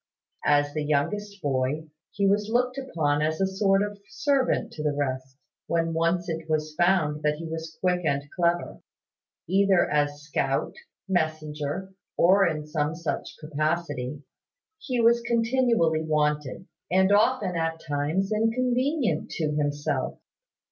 As the youngest boy, he was looked upon as a sort of servant to the rest, when once it was found that he was quick and clever. Either as scout, messenger, or in some such capacity, he was continually wanted; and often at times inconvenient to himself.